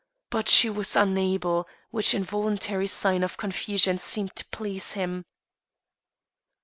But she was unable, which involuntary sign of confusion seemed to please him.